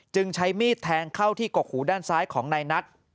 ใช้มีดแทงเข้าที่กกหูด้านซ้ายของนายนัท